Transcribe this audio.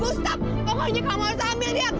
gustaf pokoknya kamu harus ambil dia